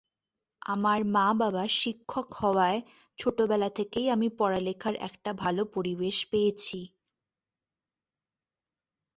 আমার মা–বাবা শিক্ষক হওয়ায় ছোটবেলা থেকেই আমি পড়ালেখার একটা ভালো পরিবেশ পেয়েছি।